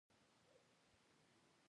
د خطر په وخت کې به یې خپل ګامونه تېز کړل.